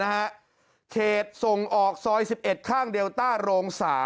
เขตส่งออกซอย๑๑ข้างเดลต้าโรง๓